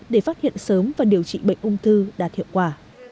để phát hiện sớm và điều trị bệnh ung thư đạt hiệu quả